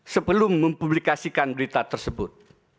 sebelum mempublikasikan berita tersebut